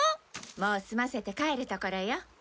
もう済ませて帰るところよ。